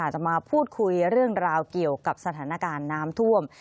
จะมาพูดคุยเรื่องราวเกี่ยวกับสถานการณ์น้ำท่วม